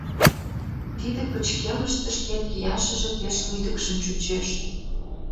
Тиде пычкемыште шкет кияшыже пеш лӱдыкшын чучеш.